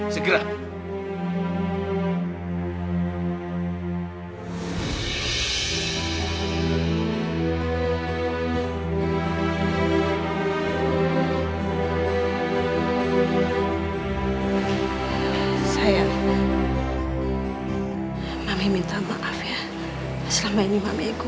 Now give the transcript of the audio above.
jangan aja bu